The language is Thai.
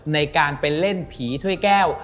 ในการไปเล่นผีถ้วยแก้ว